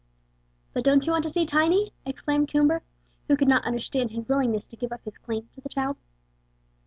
"But don't you want to see Tiny?" exclaimed Coomber, who could not understand his willingness to give up his claim to the child.